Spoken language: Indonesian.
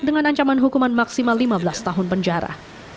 dengan ancaman hukuman maksimal lima belas tahun penjara